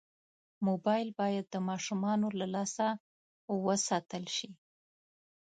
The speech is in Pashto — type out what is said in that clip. موبایل باید د ماشومانو له لاسه وساتل شي.